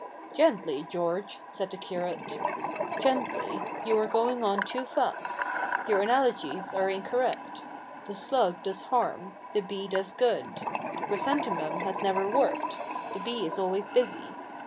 "Gently, George," said the curate, "gently. You are going on too fast. Your analogies are incorrect. The slug does harm ; the bee does good. The chrysan themum has never worked; the bee is always busy.